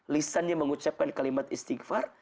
lisannya mengucapkan kalimat istighfar